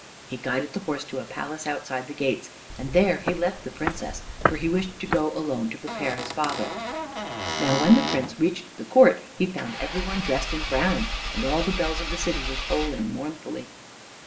He guided the horse to a palace outside the gates, and there he left the Princess, for he wished to go alone to prepare his father. Now when the Prince reached the court he found every one dressed in brown, and all the bells of the city were tolling mournfully.